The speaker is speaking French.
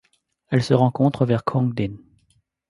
Elle se rencontre vers Kongdin.